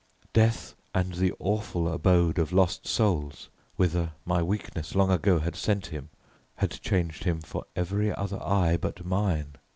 Death and the awful abode of lost souls, whither my weakness long ago had sent him, had changed him for every other eye but mine.